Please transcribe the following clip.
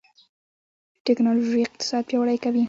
ټکنالوژي اقتصاد پیاوړی کوي.